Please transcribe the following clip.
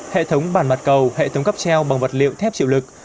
hệ thống bản mặt cầu hệ thống cắp treo bằng vật liệu thép chịu lực